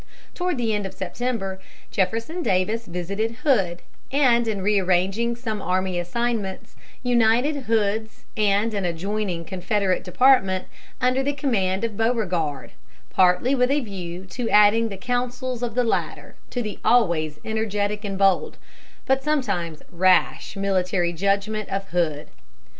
Toward the end of September, Jefferson Davis visited Hood, and in rearranging some army assignments, united Hood's and an adjoining Confederate department under the command of Beauregard; partly with a view to adding the counsels of the latter to the always energetic and bold, but sometimes rash, military judgment of Hood.